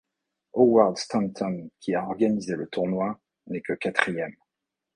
Howard Staunton, qui a organisé le tournoi, n'est que quatrième.